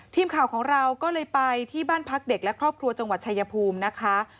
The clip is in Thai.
ทีมข่าวของเราก็เลยไปที่บ้านพักเด็กและครอบครัวจังหวัดชายภูมินะคะ